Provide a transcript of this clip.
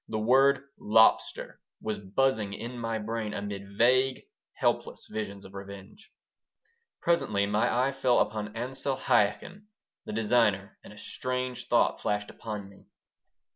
The word "lobster" was buzzing in my brain amid vague, helpless visions of revenge Presently my eye fell upon Ansel Chaikin, the designer, and a strange thought flashed upon me.